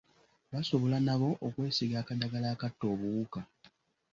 Basobola n’oba okwesiiga akadagala akatta obuwuka.